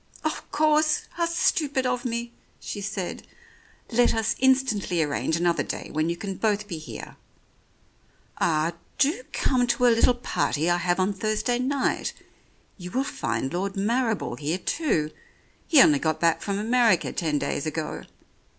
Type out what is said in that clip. "Of course ! How stupid of me," she said. "Let us instantly arrange another day when you can both be here. Ah ! do come to a little party I have on Thursday night. You will find Lord Marrible here too; he only got back from America ten days ago.